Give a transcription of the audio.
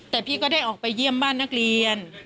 แต่พี่ก็ได้ออกไปเยี่ยมบ้านนักเรียน